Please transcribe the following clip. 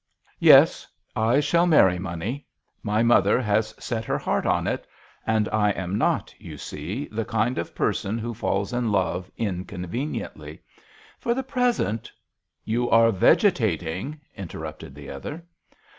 Yes, I shall marry money. My mother has set her heart on it, and I am not, you see, the kind of person who falls JOHN SHERMAN. in love inconveniently. For the present " "You are vegetating," inter rupted the other.